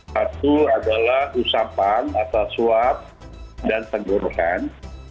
satu adalah usapan atau suap dan tenggorokan